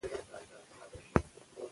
د اورېدنې پرته اقدام ناسم دی.